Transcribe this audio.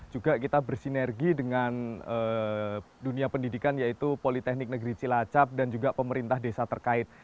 juga kita bersinergi dengan dunia pendidikan yaitu politeknik negeri cilacap dan juga pemerintah desa terkait